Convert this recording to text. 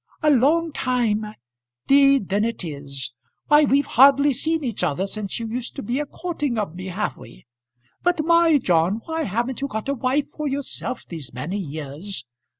"A long time! 'Deed then it is. Why we've hardly seen each other since you used to be a courting of me; have we? But, my! John; why haven't you got a wife for yourself these many years?